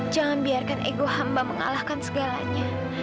jangan biarkan ego hamba mengalahkan segalanya